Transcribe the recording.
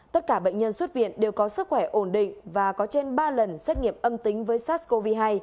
tất cả bệnh nhân xuất viện đều có sức khỏe ổn định và có trên ba lần xét nghiệm âm tính với sars cov hai